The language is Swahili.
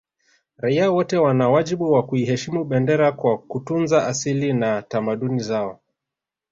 Raia wote wana wajibu wa kuiheshimu bendera kwa kutunza asili na tamaduni zao